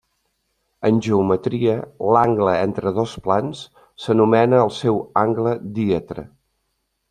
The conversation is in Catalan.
En geometria, l'angle entre dos plans s'anomena el seu angle díedre.